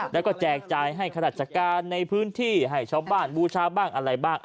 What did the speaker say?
แล้วก็แจกจ่ายให้ข้าราชการในพื้นที่ให้ชาวบ้านบูชาบ้างอะไรบ้าง